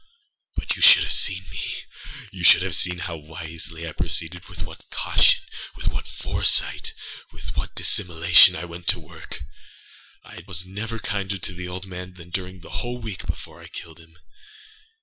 But you should have seen me. You should have seen how wisely I proceededâwith what cautionâwith what foresightâwith what dissimulation I went to work! I was never kinder to the old man than during the whole week before I killed him.